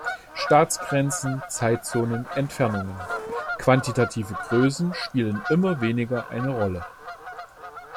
Staatsgrenzen, Zeitzonen, Entfernungen, quantitative Größe spielen immer weniger eine Rolle.